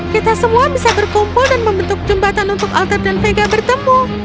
kita semua bisa berkumpul dan membentuk jembatan untuk alter dan vega bertemu